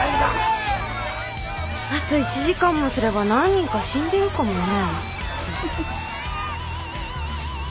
あと１時間もすれば何人か死んでるかもね。